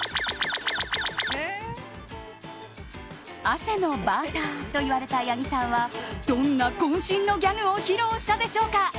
汗のバーターと言われた八木さんはどんな渾身のギャグを披露したでしょうか。